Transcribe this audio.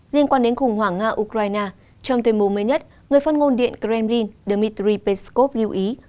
liên quan đến khủng hoảng nga ukraine trong tuyên bố mới nhất người phát ngôn điện kremrin dmitry peskov lưu ý